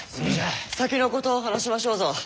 先のことを話しましょうぞ。